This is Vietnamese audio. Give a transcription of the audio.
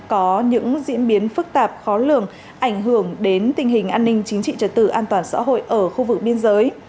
có những diễn biến phức tạp khó lường ảnh hưởng đến tình hình an ninh chính trị trật tự an toàn xã hội ở khu vực biên giới